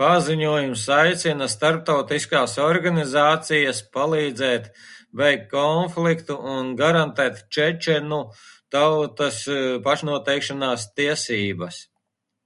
Paziņojums aicina starptautiskās organizācijas palīdzēt beigt konfliktu un garantēt čečenu tautas pašnoteikšanās tiesības.